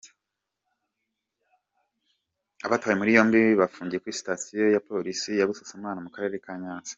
Abatawe muri yombi bafungiye kuri sitasiyo ya Polisi ya Busasamana mu karere ka Nyanza.